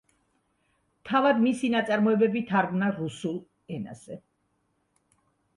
თავად მისი ნაწარმოებები თარგმნა რუსულ.